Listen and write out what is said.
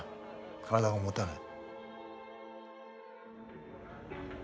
体がもたない。